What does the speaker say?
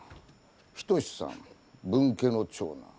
一さん分家の長男。